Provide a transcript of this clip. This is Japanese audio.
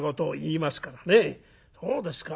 そうですか。